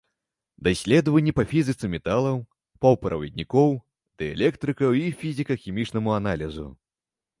Даследаванні па фізіцы металаў, паўправаднікоў, дыэлектрыкаў і фізіка-хімічнаму аналізу.